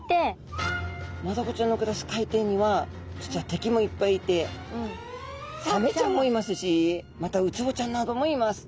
マダコちゃんの暮らす海底には実は敵もいっぱいいてサメちゃんもいますしまたウツボちゃんなどもいます。